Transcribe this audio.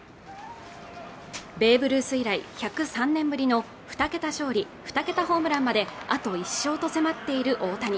ベーブ・ルース以来１０３年ぶりの２桁勝利２桁ホームランまであと１勝と迫っている大谷